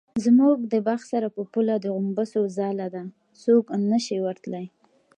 زموږ د باغ سره په پوله د غومبسو ځاله ده څوک نشي ورتلی.